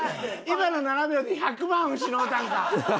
今の７秒で１００万失うたんか。